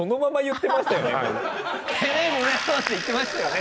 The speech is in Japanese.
って言ってましたよね